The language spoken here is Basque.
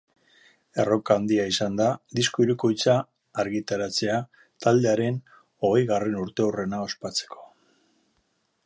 Erronka handia izan da disko hirukoitza argitaratzea taldearen hogeigarren urteurrena ospatzeko.